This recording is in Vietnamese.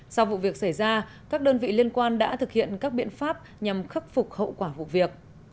sau vụ việc xảy ra các đơn vị liên quan đã thực hiện các biện pháp nhằm khắc phục hậu quả vụ việc